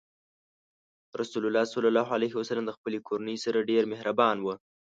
رسول الله ﷺ د خپلې کورنۍ سره ډېر مهربان و.